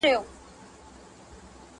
نه مشکل ورته معلوم سو د خوارانو.!